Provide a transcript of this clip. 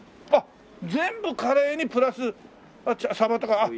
あっ全部カレーにプラスサバとか。